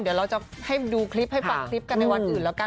เดี๋ยวเราจะให้ดูคลิปให้ฟังคลิปกันในวันอื่นแล้วกัน